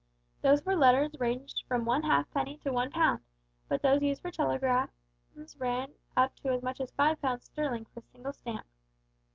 Those for letters ranged from one halfpenny to one pound, but those used for telegrams ran up to as much as five pounds sterling for a single stamp.